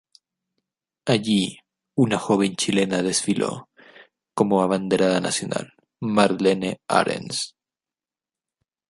Allí, una joven chilena desfiló como abanderada nacional: Marlene Ahrens.